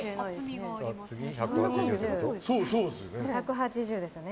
あと１８０ですよね。